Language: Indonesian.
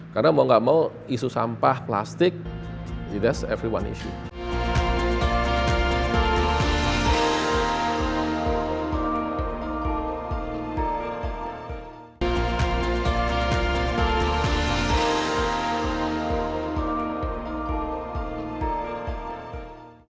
karena mau gak mau isu sampah plastik that's everyone's issue